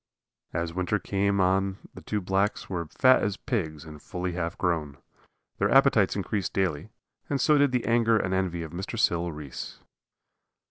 As winter came on the two blacks were fat as pigs and fully half grown. Their appetites increased daily, and so did the anger and envy of Mr. Sil Reese.